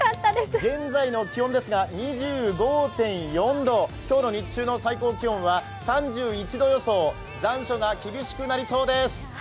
現在の気温ですが、２５．４度、今日の日中の最高気温は３１度予想、残暑が厳しくなりそうです。